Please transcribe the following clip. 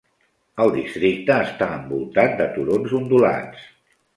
El districte està envoltat de turons ondulats.